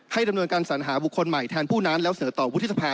ให้ดำนวนการสาหารภางบุคคลใหม่แทนผู้นั้นแล้วเสนอต่อวุฒิษภา